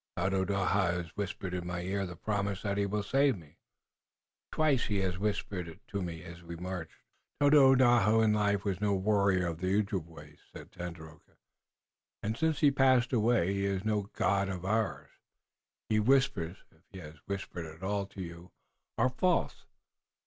"Tododaho has whispered in my ear the promise that he will save me. Twice has he whispered it to me as we marched." "Tododaho in life was no warrior of the Ojibways," said Tandakora, "and since he has passed away he is no god of ours. His whispers, if he has whispered at all to you, are false.